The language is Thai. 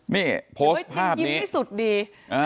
นี่โพสต์ภาพยิ้มให้สุดดี